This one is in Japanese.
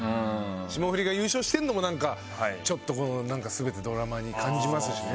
霜降りが優勝してるのもなんかちょっとこの全てドラマに感じますしね。